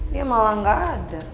dia malah gak ada